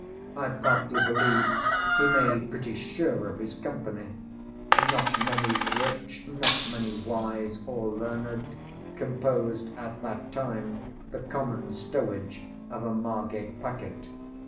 I partly believe, he made pretty sure of his company. Not many rich, not many wise, or learned, composed at that time the common stowage of a Margate packet.